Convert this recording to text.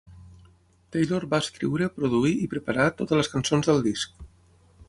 Taylor va escriure, produir i preparar totes les cançons del disc.